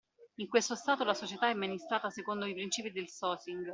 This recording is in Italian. In questo stato la società è amministrata secondo i principi del Socing.